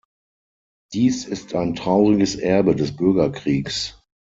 Dies ist ein trauriges Erbe des Bürgerkriegs.